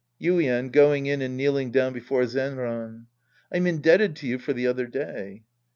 Yuien {going in and kneeling down before Zenran.) I'm indebted to you for the other day.